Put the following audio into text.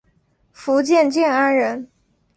福建建安人。